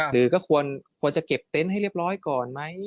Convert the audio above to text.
หรือก็ควรจะเก็บเต็นต์ให้เรียบร้อยก่อนไหม